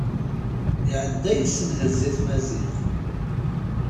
Iɛedda yessenhez-it Maziɣ.